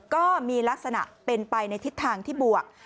ก็มีลักษณะเป็นไปในทิศทางที่บวก